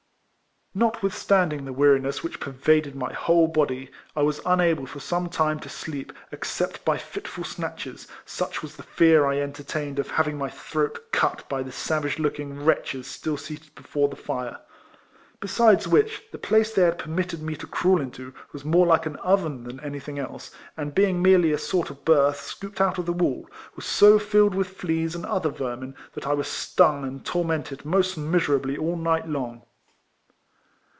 Notwithstanding the weariness which pervaded my whole body, I was unable for some time to sleep except by fitful snatches, such was the fear I entertained of having 224 RECOLLECTIONS OF my throat cut l)y the savage looking Avretches still seated before the fire. Be sides which, the place they had permitted me to crawl into w^as more like an oven than anything else, and being merely a sort of berth scooped out of the wall, was so lilled with fleas and other vermin, that I was stung and tormented most miserably all nioht lono